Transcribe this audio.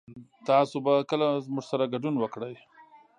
تاسو به کله موږ سره ګډون وکړئ